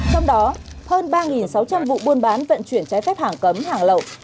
trong đó hơn ba sáu trăm linh vụ buôn bán vận chuyển trái phép hàng cấm hàng lậu